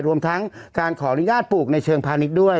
รวมทั้งการขออนุญาตปลูกในเชิงพาณิชย์ด้วย